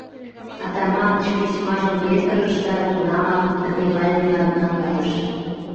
Атаманыч письмажым петырыш да тунамак дневальныйлан наҥгайыш.